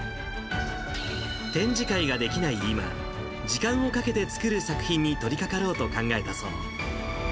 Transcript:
展示会ができない今、時間をかけて作る作品に取りかかろうと考えたそう。